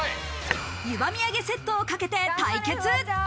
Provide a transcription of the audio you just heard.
ゆば土産セットをかけて対決。